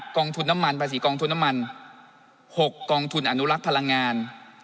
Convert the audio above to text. องทุนน้ำมันภาษีกองทุนน้ำมัน๖กองทุนอนุรักษ์พลังงาน